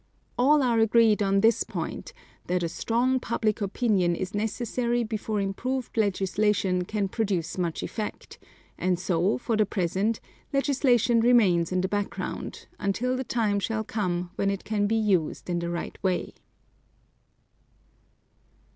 All are agreed on this point, that a strong public opinion is necessary before improved legislation can produce much effect; and so, for the present, legislation remains in the background, until the time shall come when it can be used in the right way.